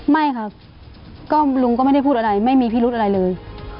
ไม่ครับก็ลุงก็ไม่ได้พูดอะไรไม่มีพิรุธอะไรเลย